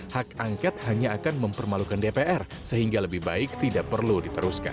hak angket hanya akan mempermalukan dpr sehingga lebih baik tidak perlu diteruskan